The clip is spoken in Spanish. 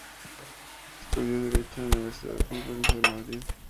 Estudió Derecho en la Universidad Complutense de Madrid.